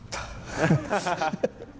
アハハハ！